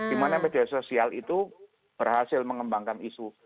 dimana media sosial itu berhasil mengembangkan isu